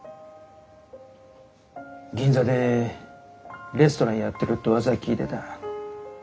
銀座でレストランやってるってうわさは聞いてた。